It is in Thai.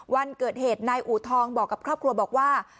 วันเกิดเหตุนายอูทองบอกกับครอบครัวบอกว่า